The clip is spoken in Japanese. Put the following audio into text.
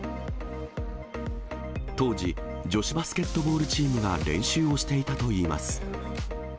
当時、女子バスケットボールチームが練習をしていたといいます。